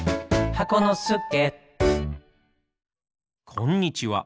こんにちは。